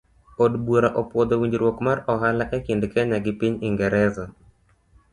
Od bura opuodho winjruok mar ohala ekind kenya gi piny ingereza.